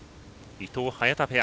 伊藤、早田ペア。